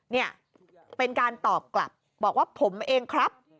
เนี่ยเป็นการตอบกลับบอกว่าผมเองครับ